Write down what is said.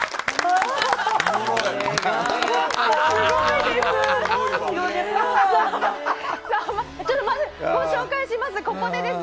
すごいです。